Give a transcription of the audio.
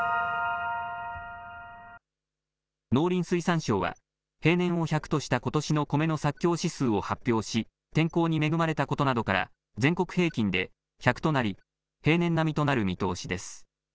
農林水産省は、平年を１００とした、ことしのコメの作況指数を発表し、天候に恵まれたことなどから、全国平均で１００となり、平年並みとなる見通しです。